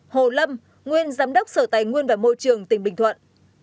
hai hồ lâm nguyên giám đốc sở tài nguyên và môi trường tỉnh bình thuận